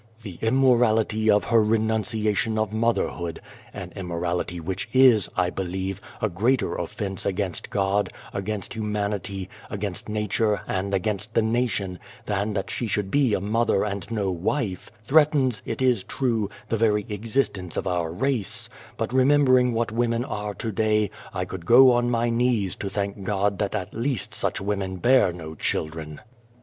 " The immorality of her renunciation of motherhood (an immorality which is, I believe, a greater offence against God, against humanity, against nature, and against the nation, than that she should be a mother and no wife) threatens, it is true, the very existence of our race; but remembering what women are to day, I could go on my knees to thank God that at least such women bear no children."